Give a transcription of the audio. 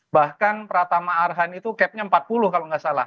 bahkan pratama arhan itu capnya empat puluh kalau nggak salah